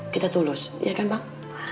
kita tulus ya kan pak